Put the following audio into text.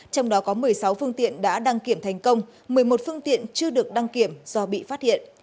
trong đó có một mươi sáu phương tiện đã đăng kiểm thành công một mươi một phương tiện chưa được đăng kiểm do bị phát hiện